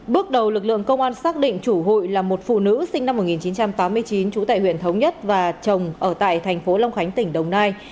bước đầu lực lượng công an xác định chủ hụi là một phụ nữ sinh năm một nghìn chín trăm tám mươi chín trú tại huyện thống nhất và chồng ở tại thành phố long khánh tỉnh đồng nai